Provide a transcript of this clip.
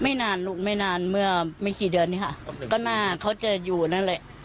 ไม่นานลูกไม่นานเมื่อไม่กี่เดือนนี้ค่ะก็หน้าเขาจะอยู่นั่นแหละ